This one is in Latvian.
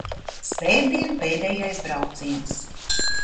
Svētdien pēdējais brauciens.